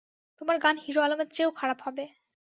তোমার গান হিরো আলমের চেয়েও খারাপ হবে।